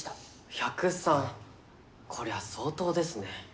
１０３こりゃ相当ですね。